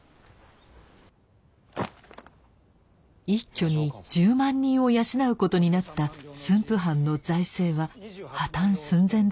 一挙に１０万人を養うことになった駿府藩の財政は破綻寸前でした。